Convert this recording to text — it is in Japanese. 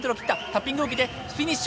タッピングを受けてフィニッシュ！